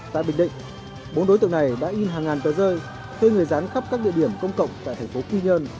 tại bình định bốn đối tượng này đã in hàng ngàn tờ rơi thuê người rán khắp các địa điểm công cộng tại thành phố quy nhơn